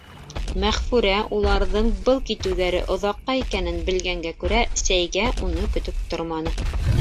Мәғфүрә уларҙың был китеүҙәре оҙаҡҡа икәнен белгәнгә күрә, сәйгә уны көтөп торманы.